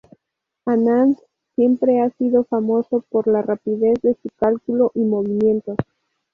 Anand siempre ha sido famoso por la rapidez de su cálculo y movimientos.